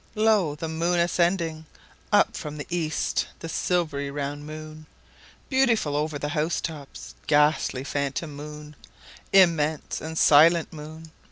2Lo! the moon ascending! Up from the east, the silvery round moon; Beautiful over the house tops, ghastly phantom moon; Immense and silent moon.